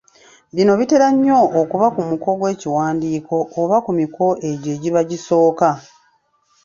Bino bitera nnyo okuba ku muko gw’ekiwandiiko oba ku miko egyo egiba gisooka.